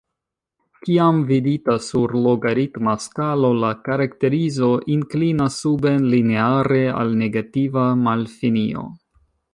Kiam vidita sur logaritma skalo la karakterizo inklinas suben lineare al negativa malfinio.